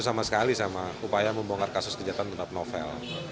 tidak membantu sama sekali sama upaya membongkar kasus kejahatan tentang novel